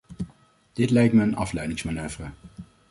Dit lijkt mij een afleidingsmanoeuvre.